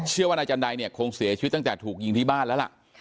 เชื่อว่านายจันไดเนี่ยคงเสียชีวิตตั้งแต่ถูกยิงที่บ้านแล้วล่ะ